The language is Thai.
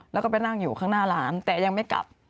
แล้วก็ไปนั่งอยู่ข้างหน้าร้านแต่ยังไม่กลับ